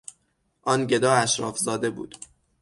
آن گدا اشرافزاده بود.